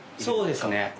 そうですね。